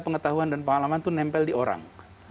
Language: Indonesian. pengetahuan dan pengalaman itu nempel di orang